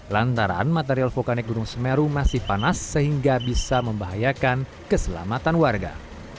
lantaran material vulkanik gunung semeru masih panas sehingga bisa membahayakan keselamatan warga